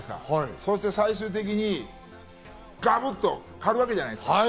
そして最終的にがぶっと狩るわけじゃないですか。